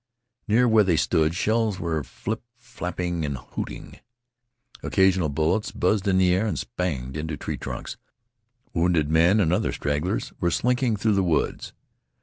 Near where they stood shells were flip flapping and hooting. Occasional bullets buzzed in the air and spanged into tree trunks. Wounded men and other stragglers were slinking through the woods.